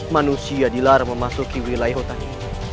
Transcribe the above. manusia dilarang memasuki wilayah hutan ini